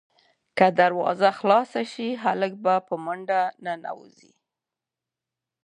که دروازه خلاصه شي، هلک به په منډه ننوځي.